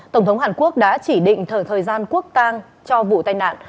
tổng thống hàn quốc đã chỉ định thở thời gian quốc tang cho vụ tai nạn